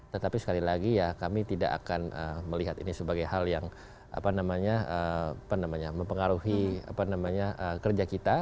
tetapi sekali lagi ya kami tidak akan melihat ini sebagai hal yang apa namanya apa namanya mempengaruhi kerja kita